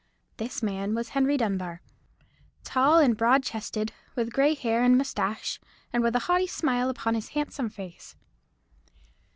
This man was Henry Dunbar; tall and broad chested, with grey hair and moustache, and with a haughty smile upon his handsome face.